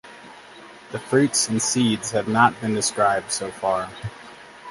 The fruits and seeds have not been described so far.